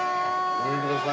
ごめんください。